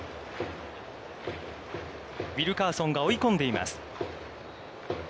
ウィルカーソンが追い込んでいます。